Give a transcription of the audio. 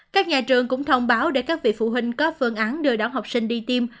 các nhà trường cũng thông báo để các vị phụ huynh có phương án đưa đón học sinh đi tiêm